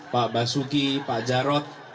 pak basuki pak jarod